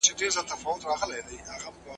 د هېواد مینه ایمان دی.